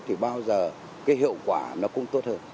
thì bao giờ hiệu quả cũng tốt hơn